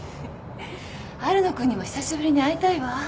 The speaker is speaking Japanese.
春野君にも久しぶりに会いたいわ。